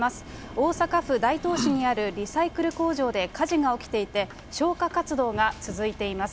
大阪府大東市にあるリサイクル工場で火事が起きていて、消火活動が続いています。